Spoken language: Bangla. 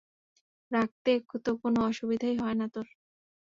রাগতে তো কোনো অসুবিধাই হয় না তোর।